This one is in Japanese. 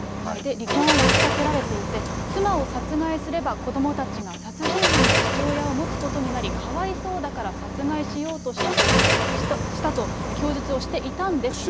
離婚を持ちかけられていて、妻を殺害すれば、子どもたちが殺人犯の父親を持つことになり、かわいそうだから殺害しようとしたと供述をしていたんですが。